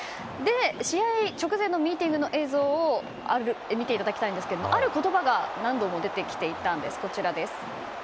試合直前のミーティングの映像を見ていただきたいんですがある言葉が何度も出てきていたんです。